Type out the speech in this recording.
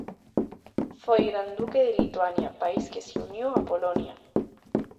Foi Gran Duque de Lituania, país que se uniu a Polonia.